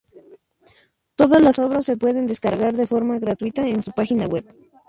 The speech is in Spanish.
Todas las obras se pueden descargar de forma gratuita en su página web.